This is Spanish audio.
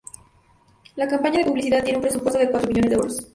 La campaña de publicidad tiene un presupuesto de cuatro millones de euros.